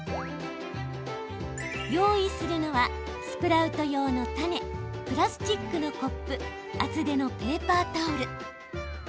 用意するのは、スプラウト用の種プラスチックのコップ厚手のペーパータオル。